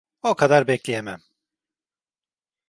O kadar bekleyemem…